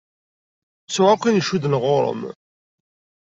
Ttuɣ akk ayen icudden ɣur-m.